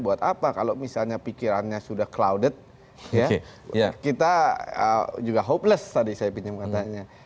buat apa kalau misalnya pikirannya sudah clouded kita juga hopeless tadi saya pinjam katanya